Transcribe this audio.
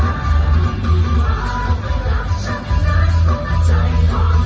แบบว่าใครจะได้ยินเสียงใจของเรา